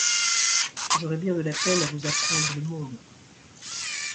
J’aurai bien de la peine à vous apprendre le monde.